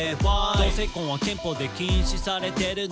「同性婚は憲法で禁止されてるの？